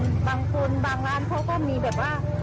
ผลประชาชนบางคนบางร้านเขาก็มีแบบว่า